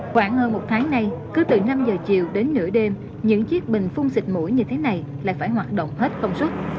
khoảng hơn một tháng nay cứ từ năm giờ chiều đến nửa đêm những chiếc bình phun xịt mũi như thế này lại phải hoạt động hết công suất